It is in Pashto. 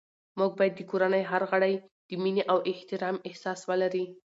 موږ باید د کورنۍ هر غړی د مینې او احترام احساس ولري